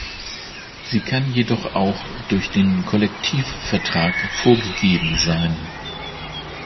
Sie kann jedoch auch durch den Kollektivvertrag vorgegeben sein.